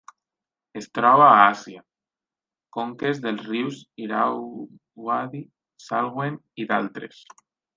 Es troba a Àsia: conques dels rius Irauadi, Salween i d'altres.